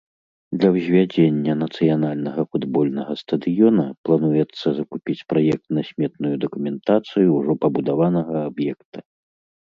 Для ўзвядзення нацыянальнага футбольнага стадыёна плануецца закупіць праектна-сметную дакументацыю ўжо пабудаванага аб'екта.